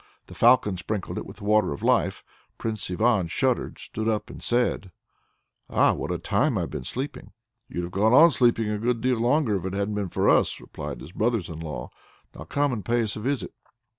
The Falcon sprinkled it with the Water of Life Prince Ivan shuddered, stood up, and said: "Ah! what a time I've been sleeping!" "You'd have gone on sleeping a good deal longer, if it hadn't been for us," replied his brothers in law. "Now come and pay us a visit."